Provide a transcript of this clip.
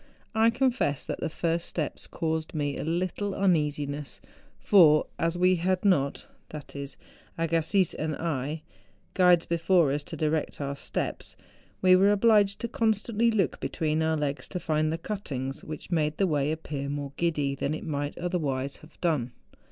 I confess that the first steps caused me a little uneasiness; for, as we had not—that is, Agassiz and I—guides before us to direct our steps, we were obliged constantly to look between our legs to find the cuttings, which made the way appear more giddy than it might otherwise have done.